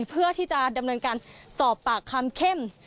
เพื่อที่จะดำเนินการสอบปากคำเข้ม